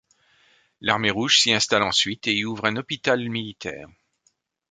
L'Armée rouge s'y installe ensuite et y ouvre un hôpital militaire.